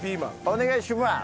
お願いします！